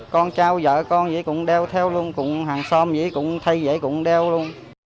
con trao vợ con vậy cũng đeo theo luôn cùng hàng xóm vậy cũng thay vậy cũng đeo luôn